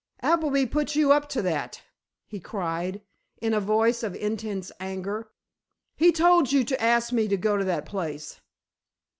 "Appleby put you up to that!" he cried, in a voice of intense anger. "He told you to ask me to go to that place!"